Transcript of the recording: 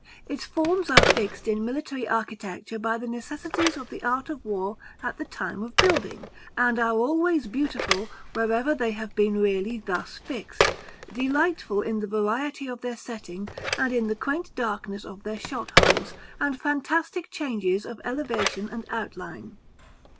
Its forms are fixed in military architecture by the necessities of the art of war at the time of building, and are always beautiful wherever they have been really thus fixed; delightful in the variety of their setting, and in the quaint darkness of their shot holes, and fantastic changes of elevation and outline.